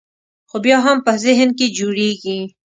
خو بیا هم په ذهن کې جوړېږي.